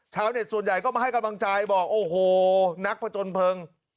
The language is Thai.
ชาวเน็ตส่วนใหญ่ก็มาให้กำลังใจบอกโอ้โหนักผจญเพลิง